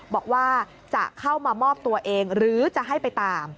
บอกว่าจะเข้ามามอบตัวเองหรือจะให้ไปตาม